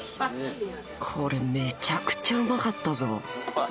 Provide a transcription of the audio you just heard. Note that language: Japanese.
これめちゃくちゃうまかったぞうわ